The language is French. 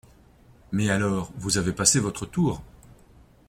Mais alors, vous avez passé votre tour !